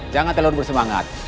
jangan terlalu bersemangat